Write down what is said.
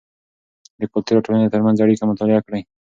د کلتور او ټولنې ترمنځ اړیکه مطالعه کړئ.